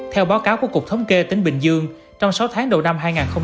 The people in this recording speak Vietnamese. theo báo cáo của cục thống kê tỉnh bình dương trong sáu tháng đầu năm hai nghìn hai mươi